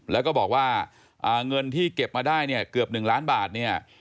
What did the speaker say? แล้วก็บอกว่าเงินที่เก็บมาได้เนี่ยเกือบ๑ล้านบาทเนี่ย